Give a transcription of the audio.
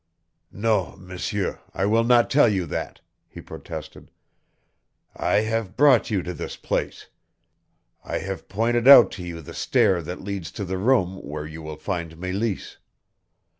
"Non, M'seur, I will not tell you that," he protested. "I have brought you to this place. I have pointed out to you the stair that leads to the room where you will find Meleese.